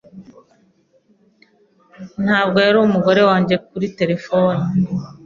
Ntabwo yari umugore wanjye kuri terefone.